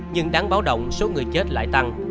nhưng đáng báo động số người chết lại tăng